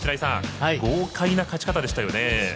豪快な勝ち方でしたよね。